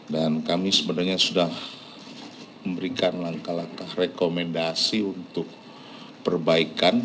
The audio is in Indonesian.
dan kami sebenarnya sudah memberikan langkah langkah rekomendasi untuk perbaikan